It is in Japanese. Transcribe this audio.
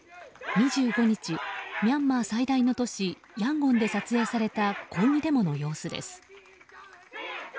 ２５日、ミャンマー最大の都市ヤンゴンで撮影された抗議デモの様子です。